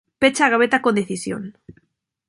Pecha a gabeta con decisión.